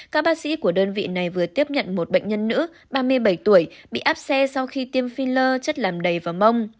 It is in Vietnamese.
các bác sĩ của đơn vị này vừa tiếp nhận một bệnh nhân nữ ba mươi bảy tuổi bị áp xe sau khi tiêm phi lơ chất làm đầy và mông